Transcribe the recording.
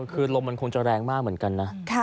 คือลมมันคงจะแรงมากเหมือนกันนะ